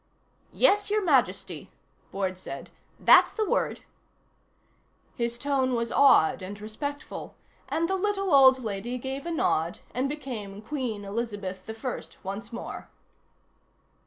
"Yes, Your Majesty," Boyd said. "That's the word." His tone was awed and respectful, and the little old lady gave a nod and became Queen Elizabeth I once more.